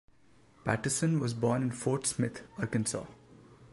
Patterson was born in Fort Smith, Arkansas.